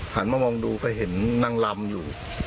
หันมามองดูก็เห็นนางลำอยู่